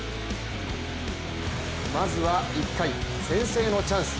まずは１回、先制のチャンス。